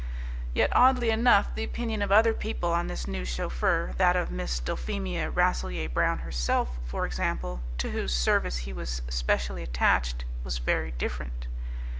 Yet, oddly enough, the opinion of other people on this new chauffeur, that of Miss Dulphemia Rasselyer Brown herself, for example, to whose service he was specially attached, was very different.